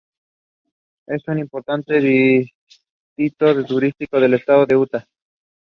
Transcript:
Es un importante destino turístico del estado de Utah.